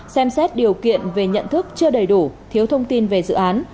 xem xét điều kiện về nhận thức chưa đầy đủ thiếu thông tin về dự án